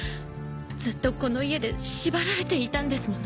ずっとこの家で縛られていたんですもの。